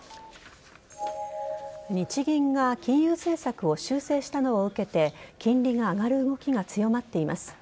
日銀が金融政策を修正したのを受けて金利が上がる動きが強まっています。